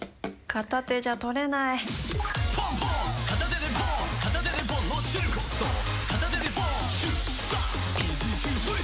片手でポン！